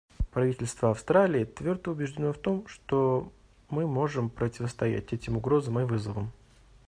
Правительство Австралии твердо убеждено в том, что мы можем противостоять этим угрозам и вызовам.